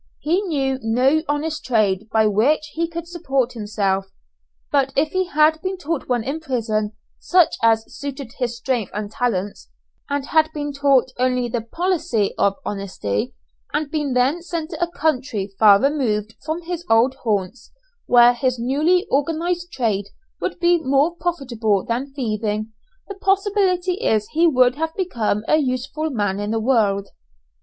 He knew no honest trade by which he could support himself, but if he had been taught one in prison such as suited his strength and talents, and had been taught only the policy of honesty, and been then sent to a country far removed from his old haunts, where his newly organized trade would be more profitable than thieving, the possibility is he would have become a useful man in the world.